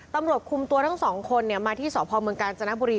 ตำรวจคุมตัวทั้งสองคนเนี่ยมาที่สพมกจนบุรี